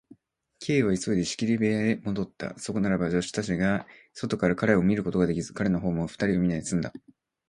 Ｋ は急いで仕切り部屋へもどった。そこならば、助手たちが外から彼を見ることができず、彼のほうも二人を見ないですんだ。